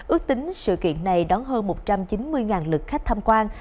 ước tính sự kiện này đón hơn một trăm chín mươi lượt khách tham quan